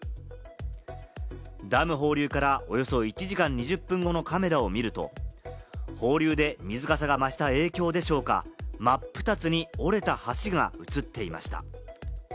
ダム放流からおよそ１時間２０分後のカメラを見ると放流で水かさが増した影響でしょうか、真っ二つに折れた橋が映っていました。